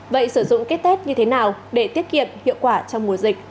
vậy sử dụng ký test như thế nào để tiết kiệm hiệu quả trong mùa dịch